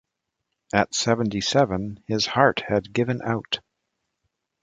At seventy-seven, his heart had given out.